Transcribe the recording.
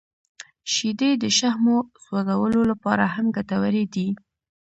• شیدې د شحمو سوځولو لپاره هم ګټورې دي.